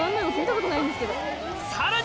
さらに！